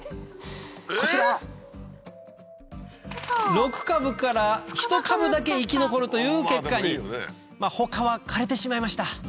⁉６株から１株だけ生き残るという結果に他は枯れてしまいました